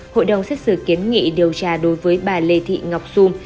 hội đồng xét xử kiến nghị điều tra đối với bà lê thị ngọc dung